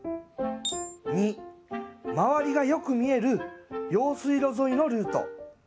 ２・周りがよく見える用水路沿いのルート。